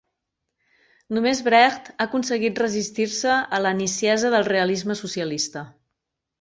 Només Brecht ha aconseguit resistir-se a la niciesa del realisme socialista.